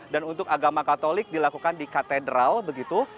dan untuk agama katolik dilakukan di katedral begitu